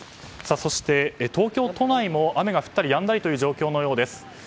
そして東京都内も雨が降ったりやんだりという状況のようです。